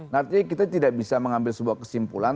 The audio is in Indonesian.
nanti kita tidak bisa mengambil sebuah kesimpulan